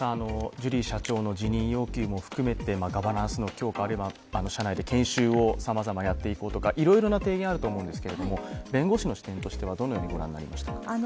ジュリー社長の辞任要求も含めてガバナンスの強化あるいは社内で研修をさまざまやっていこうとか、いろいろな提言あると思いますが弁護士の視点としてはどのようにご覧になりましたか？